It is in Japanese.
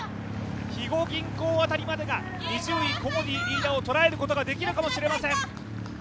肥後銀行あたりまでが２０位コモディイイダを捉えることができるかもしれません。